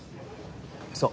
そう。